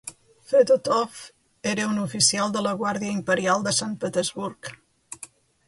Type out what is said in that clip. Fedotov era un oficial de la Guàrdia Imperial de Sant Petersburg.